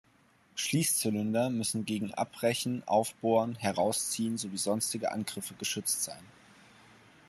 Schließzylinder müssen gegen Abbrechen, Aufbohren, Herausziehen sowie sonstige Angriffe geschützt sein.